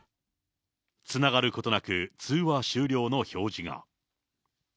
つながることなく通話終了の表示が。